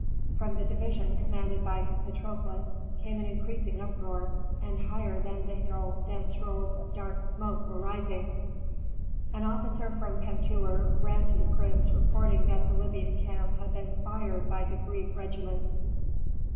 From the division commanded by Patrokles came an increasing uproar, and higher than the hill dense rolls of dark smoke were rising. An officer from Pentuer ran to the prince reporting that the Libyan camp had been fired by the Greek regiments.